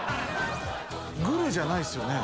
グルじゃないっすよね？